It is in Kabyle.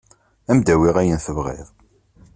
Ad m-d-awiɣ ayen tebɣiḍ.